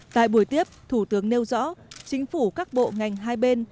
tại buổi tiếp thủ tướng nêu rõ chính phủ các bộ ngành hai bên